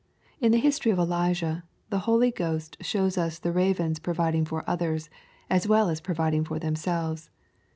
In the history of Elijah, the Holy Ghost shows us the ravens providing for others, as well as providing for themselves.